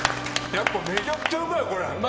やっぱ、めちゃくちゃうまいこれ。